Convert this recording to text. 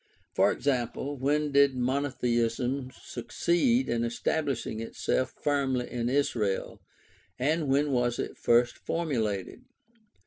For example, when did monotheism succeed in establishing itself firmly in Israel, and when was it first formulated